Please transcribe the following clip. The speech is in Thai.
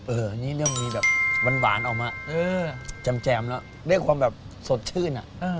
อันนี้เริ่มมีแบบหวานออกมาเออแจ่มแล้วได้ความแบบสดชื่นอ่ะ